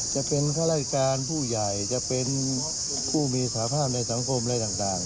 จะเป็นข้าราชการผู้ใหญ่จะเป็นผู้มีสภาพในสังคมอะไรต่าง